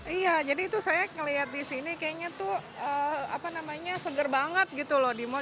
iya jadi itu saya melihat di sini kayaknya itu seger banget gitu loh di mal